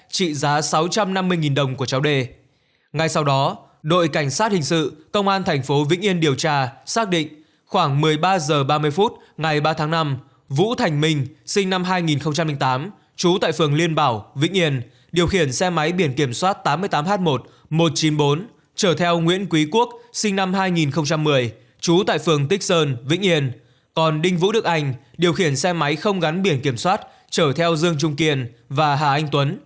trị giá sáu trăm năm mươi đồng của cháu d ngay sau đó đội cảnh sát hình sự công an thành phố vĩnh yên điều tra xác định khoảng một mươi ba h ba mươi ngày ba tháng năm vũ thành minh sinh năm hai nghìn tám chú tại phường liên bảo vĩnh yên điều khiển xe máy biển kiểm soát tám mươi tám h một một trăm chín mươi bốn chở theo nguyễn quý quốc sinh năm hai nghìn một mươi chú tại phường tích sơn vĩnh yên còn đinh vũ đức anh điều khiển xe máy không gắn biển kiểm soát chở theo dương trung kiên và hà anh tuấn